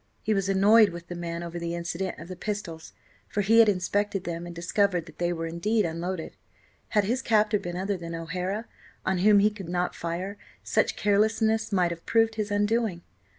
He was annoyed with the man over the incident of the pistols for he had inspected them and discovered that they were indeed unloaded. Had his captor been other than O'Hara, on whom he could not fire, such carelessness might have proved his undoing.